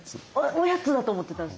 おやつだと思ってたんです。